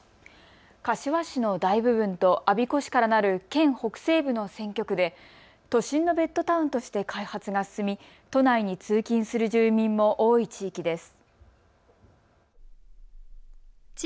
柏市の大部分と我孫子市からなる県北西部の選挙区で都心のベッドタウンとして開発が進み都内に通勤する住民も多い地域です。